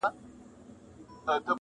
هنر خاموش زر پرستي وه پکښې.